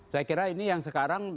saya kira ini yang sekarang